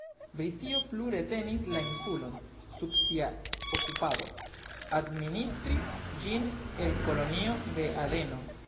Britio plu retenis la insulon sub sia okupado, administris ĝin el Kolonio de Adeno.